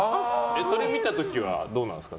それ見た時はどうなんですか？